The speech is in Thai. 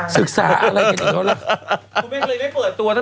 สึกษาอะไรอีกล่ะ